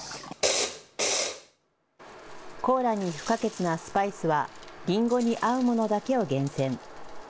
コーラに不可欠なスパイスはりんごに合うものだけを厳選。